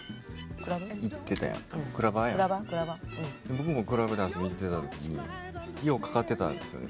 僕もクラブで遊びに行ってた時にようかかってたんですよね。